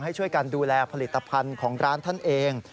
ให้ช่วยกันดูแลผลิตภัณฑ์ของร้านท่านเอง